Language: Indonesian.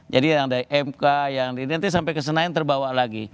jadi yang dari mk yang di ndi sampai ke senayan terbawa lagi